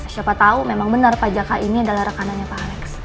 siapa tahu memang benar pak jaka ini adalah rekanannya pak alex